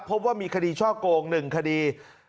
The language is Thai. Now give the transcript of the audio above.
พบว่ามีคดีช่อโกง๑คดี